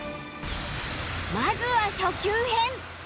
まずは初級編